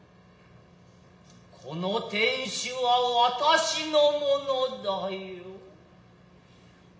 此の天守は私のものだよ。